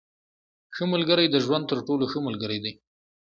• ښه ملګری د ژوند تر ټولو ښه ملګری دی.